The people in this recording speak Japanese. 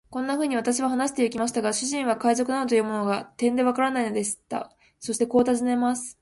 こんなふうに私は話してゆきましたが、主人は海賊などというものが、てんでわからないのでした。そしてこう尋ねます。